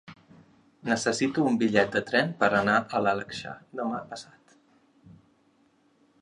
Necessito un bitllet de tren per anar a l'Aleixar demà passat.